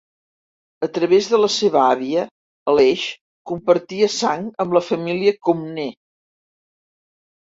A través de la seva àvia, Aleix compartia sang amb la família Comnè.